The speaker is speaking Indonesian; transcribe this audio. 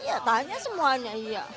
ya tanya semuanya